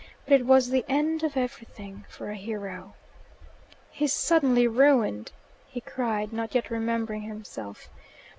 But it was the end of everything for a hero. "He's suddenly ruined!" he cried, not yet remembering himself.